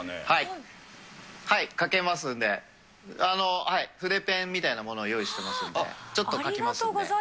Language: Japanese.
はい、書けますんで、筆ペンみたいなものを用意してますんで、ちょっと書きますんで。